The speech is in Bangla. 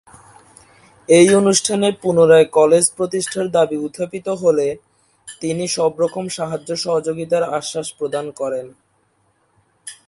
এই অনুষ্ঠানে পুনরায় কলেজ প্রতিষ্ঠার দাবি উত্থাপিত হলে তিনি সবরকম সাহায্য সহযোগিতার আশ্বাস প্রদান করেন।